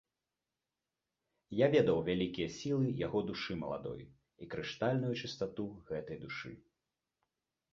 Я ведаў вялікія сілы яго душы маладой і крыштальную чыстату гэтай душы.